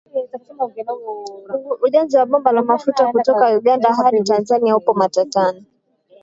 Ujenzi wa bomba la mafuta kutoka Uganda hadi Tanzania upo matatani.